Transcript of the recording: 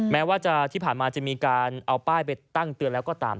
แม้ว่าที่ผ่านมาจะมีการเอาป้ายไปตั้งเตือนแล้วก็ตาม